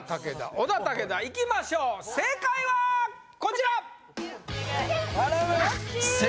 小田武田いきましょう正解はこちら！